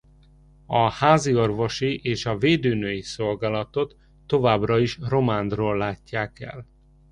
A háziorvosi és a védőnői szolgálatot továbbra is Romándról látják el.